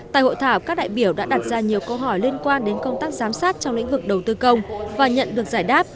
tại hội thảo các đại biểu đã đặt ra nhiều câu hỏi liên quan đến công tác giám sát trong lĩnh vực đầu tư công và nhận được giải đáp